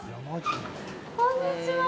こんにちは。